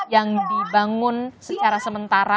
yang dibangun secara sementara